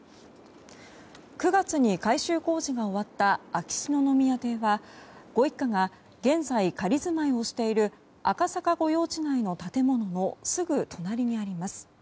９月に改修工事が終わった秋篠宮邸はご一家が現在仮住まいをしている赤坂御用地内の建物のすぐ隣にあります。